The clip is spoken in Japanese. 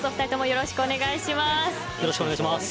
よろしくお願いします。